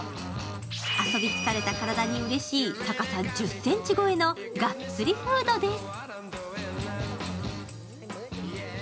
遊び疲れた体にうれしい高さ１０ｃｍ超えのがっつりフードです。